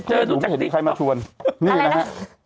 ก็คลิกเครียดอยู่ไม่เห็นใครมาชวนนี่นะฮะอะไรนะ